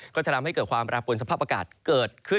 ก็จะทำให้เกิดความแปรปวนสภาพอากาศเกิดขึ้น